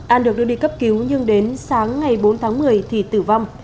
an được đưa đi cấp cứu nhưng đến sáng ngày bốn tháng một mươi thì tử vong